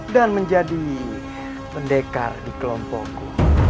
dan menjadi pendekar di kelompokku